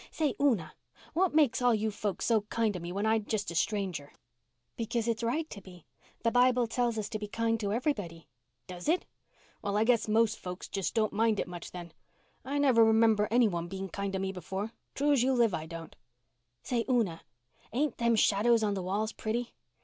Say, Una, what makes all you folks so kind to me when I'm just a stranger?" "Because it's right to be. The bible tells us to be kind to everybody." "Does it? Well, I guess most folks don't mind it much then. I never remember of any one being kind to me before—true's you live I don't. Say, Una, ain't them shadows on the walls pretty?